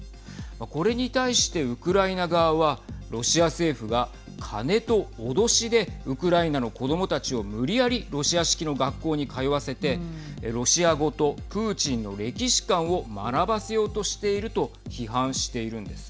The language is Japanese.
これに対してウクライナ側はロシア政府が金と脅しでウクライナの子どもたちを無理やりロシア式の学校に通わせてロシア語とプーチンの歴史観を学ばせようとしていると批判しているんです。